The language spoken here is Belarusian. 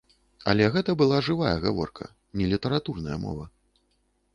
Але гэта была жывая гаворка, не літаратурная мова.